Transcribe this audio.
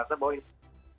merasa bahwa ini